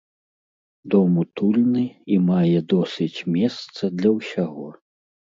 Дом утульны і мае досыць месца для ўсяго.